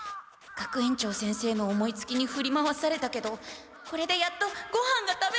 学園長先生の思いつきにふり回されたけどこれでやっとごはんが食べられる！